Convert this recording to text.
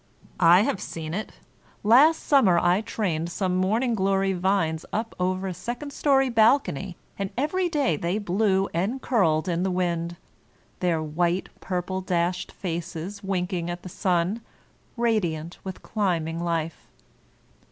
I have seen it. Last summer I trained some morning glory vines up over a second story bal cony; and every day they blew and curled in the wind, their white, purple dashed faces winking at the sun, radiant with climbing life.